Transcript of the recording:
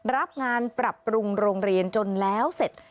รับงานปรับปรุงโรงเรียนจนแล้วเสร็จ